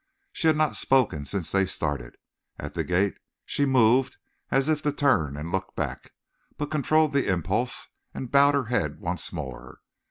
She had not spoken since they started. At the gate she moved as if to turn and look back, but controlled the impulse and bowed her head once more.